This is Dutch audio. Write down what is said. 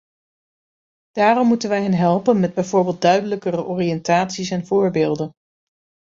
Daarom moeten wij hen helpen met bijvoorbeeld duidelijkere oriëntaties en voorbeelden.